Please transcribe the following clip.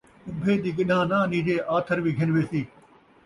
اُبھے دی گݙانہہ نہ انیجے، آتھر وی گھن ویسی